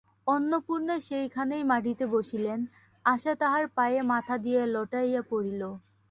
অন্নপূর্ণা সেইখানেই মাটিতে বসিলেন, আশা তাঁহার পায়ে মাথা দিয়া লুটাইয়া পড়িল।